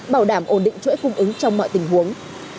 bảo đảm ổn định chuỗi cung ứng trong mọi tình huống